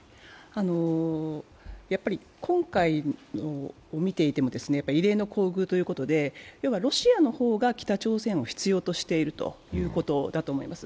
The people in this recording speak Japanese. やっぱり今回を見ていても異例の厚遇ということでロシアの方が北朝鮮を必要としているということだと思います。